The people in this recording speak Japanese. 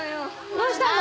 どうしたの？